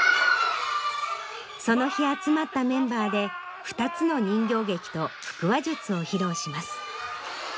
その日集まったメンバーで２つの人形劇と腹話術を披露します。